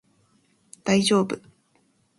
大丈夫